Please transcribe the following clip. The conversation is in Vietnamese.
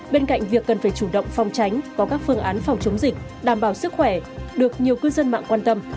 bên cạnh việc cần phải chủ động phòng tránh có các phương án phòng chống dịch đảm bảo sức khỏe được nhiều cư dân mạng quan tâm